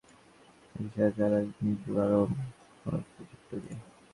চট্টগ্রাম নগরের একটি হত্যা মামলায় গ্রেপ্তার দেখানো হয়েছিল রিকশাচালক নুরুল আলম ওরফে ভুট্টোকে।